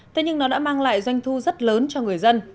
thế nhưng nó đã mang lại doanh thu rất lớn cho người dân